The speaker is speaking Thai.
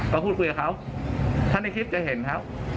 ก็พูดคุยกับเขาถ้าในคลิปจะเห็นเขา